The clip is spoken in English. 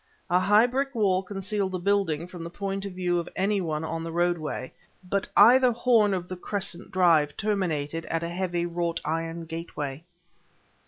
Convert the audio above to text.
A high brick wall concealed the building from the point of view of any one on the roadway, but either horn of the crescent drive terminated at a heavy, wrought iron gateway.